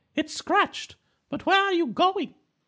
"It scratched! But where are you going?"